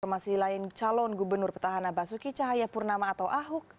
informasi lain calon gubernur petahana basuki cahaya purnama atau ahuk